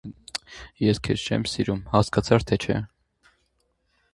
ես քեզ չեմ սիրում, հասկացա՞ր, թե չէ…